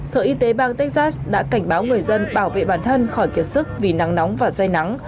sở y tế bang texas đã cảnh báo người dân bảo vệ bản thân khỏi kiệt sức vì nắng nóng và dây nắng